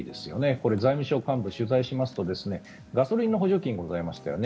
これ、財務省幹部に取材しますとガソリンの補助金がございましたよね。